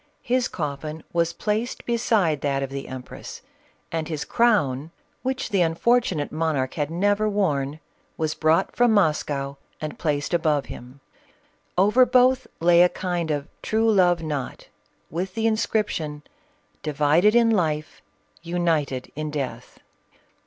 His coffin was placed beside that of the. em press, and his crown, which the unfortunate monarch had never worn, was brought from Moscow and placed above him ; over both lay a kind of true love knot with the inscription, " Divided in life, united in death."